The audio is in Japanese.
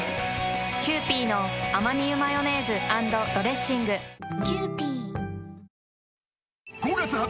キユーピーのアマニ油マヨネーズ＆ドレッシング女性）